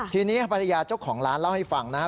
ทีนี้ปริญญาเจ้าของร้านเล่าให้ฟังนะฮะ